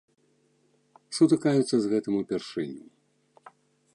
Сутыкаюцца з гэтым упершыню.